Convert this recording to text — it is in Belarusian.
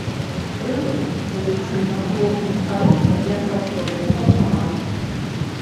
Прывад традыцыйна поўны, каробка, як заўсёды, аўтамат.